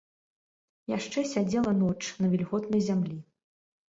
Яшчэ сядзела ноч на вільготнай зямлі.